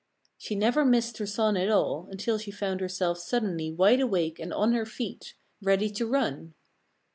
She never missed her son at all until she found herself suddenly wide awake and on her feet, ready to run.